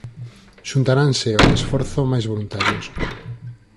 Xuntáranse ao esforzo máis voluntarios.